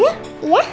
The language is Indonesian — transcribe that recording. oke sudah lah